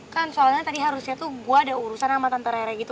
kan soalnya tadi harusnya tuh gue ada urusan sama tante rere gitu